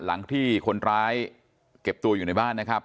หลังที่คนร้ายเก็บตัวอยู่ในบ้านนะครับ